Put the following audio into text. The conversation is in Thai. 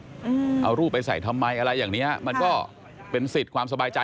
คือแค่รูปเรามาติดแค่นั้นเองแต่ว่าหมาตัวนี้อาจจะไม่โดนทำร้ายก็ได้